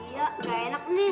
iya gak enak nih